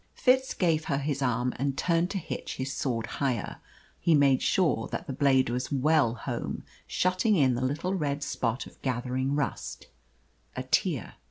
Fitz gave her his arm and turned to hitch his sword higher. He made sure that the blade was well home, shutting in the little red spot of gathering rust a tear.